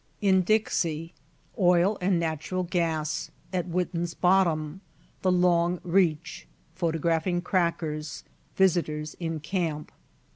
In Dixie Oil and natural gas, at Witten's Bottom The Long Reach Photographing crackers Visitors in camp.